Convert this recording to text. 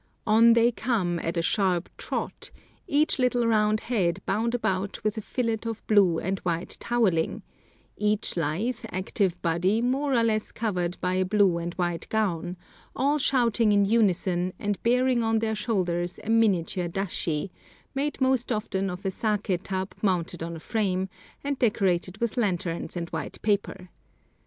On they come at a sharp trot, each little round head bound about with a fillet of blue and white toweling, each lithe, active body more or less covered by a blue and white gown, all shouting in unison and bearing on their shoulders a miniature dashi, made most often of a saké tub mounted on a frame, and decorated with lanterns and white paper.